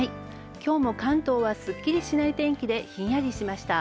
今日も関東はすっきりしない天気で、ひんやりしました。